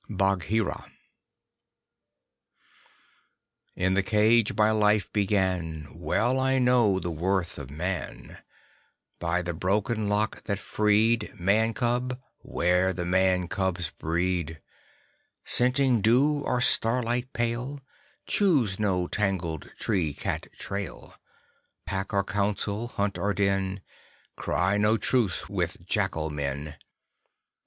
_ BAGHEERA In the cage my life began; Well I know the worth of Man. By the Broken Lock that freed Man cub, 'ware the Man cub's breed! Scenting dew or starlight pale, Choose no tangled tree cat trail. Pack or council, hunt or den, Cry no truce with Jackal Men.